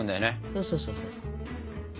そうそうそう。